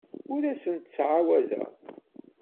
Ur asent-ttɛawadeɣ.